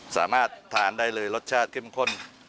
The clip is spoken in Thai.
สามารถทานได้เลยรสชาติเข้มข้น